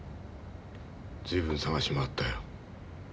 随分捜し回ったよ。